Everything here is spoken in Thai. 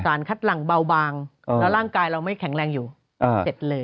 คัดหลังเบาบางแล้วร่างกายเราไม่แข็งแรงอยู่เสร็จเลย